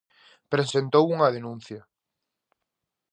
Presentou unha denuncia.